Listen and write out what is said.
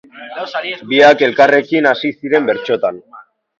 Biak elkarrekin hasi ziren bertsotan.